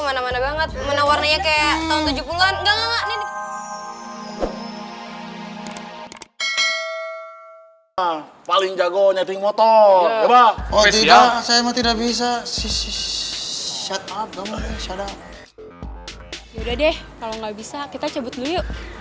yaudah deh kalau nggak bisa kita cabut dulu yuk